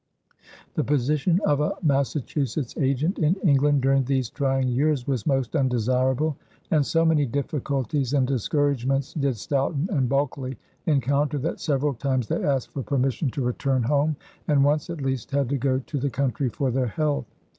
The position of a Massachusetts agent in England during these trying years was most undesirable, and so many difficulties and discouragements did Stoughton and Bulkeley encounter that several times they asked for permission to return home and once, at least, had to go to the country for their health.